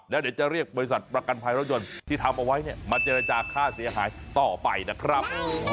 แล้วเดี๋ยวจะเรียกบริษัทประกันภัยรถยนต์ที่ทำเอาไว้เนี่ยมาเจรจาค่าเสียหายต่อไปนะครับ